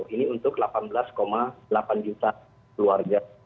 ini untuk delapan belas delapan juta keluarga